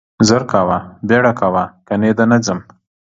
زر کاوه, بيړه کاوه کني ده نه ځم.